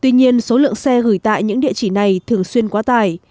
tuy nhiên số lượng xe gửi tại những địa chỉ này thường xuyên quá tải